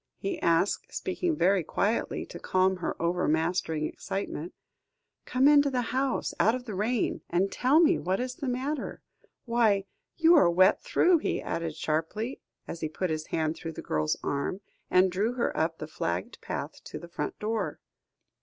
he asked, speaking very quietly, to calm her overmastering excitement; "come into the house out of the rain, and tell me what is the matter. Why, you are wet through," he added sharply, as he put his hand through the girl's arm, and drew her up the flagged path to the front door.